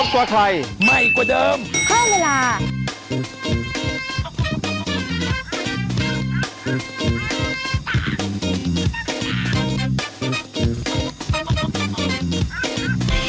ก็ได้ก็ได้